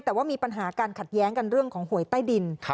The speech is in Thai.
แต่ว่ามีปัญหาการขัดแย้งกันเรื่องของหวยใต้ดิน